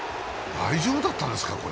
大丈夫だったんですか、これ。